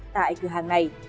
tại cửa hàng này